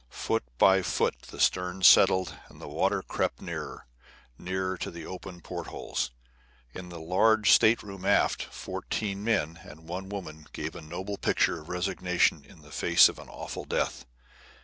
Foot by foot the stern settled and the water crept nearer, nearer to the open port holes. In a large stateroom aft fourteen men and one woman gave a noble picture of resignation in the face of an awful death.